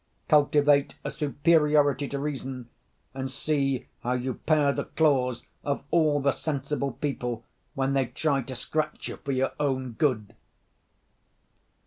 Cultivate a superiority to reason, and see how you pare the claws of all the sensible people when they try to scratch you for your own good!